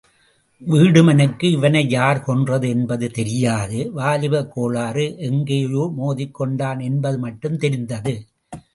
வீடுமனுக்கு இவனை யார் கொன்றது என்பது தெரியாது வாலிபக் கோளாறு எங்கேயோ மோதிக் கொண்டான் என்பது மட்டும் தெரிந்தது.